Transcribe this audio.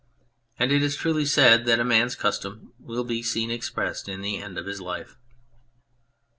And it is truly said that a man's custom will be seen expressed in the end of his life.